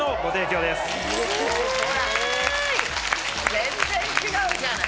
全然違うじゃない。